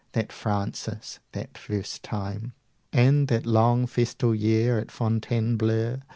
That Francis, that first time, And that long festal year at Fontainebleau!